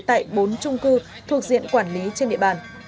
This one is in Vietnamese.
tại bốn trung cư thuộc diện quản lý trên địa bàn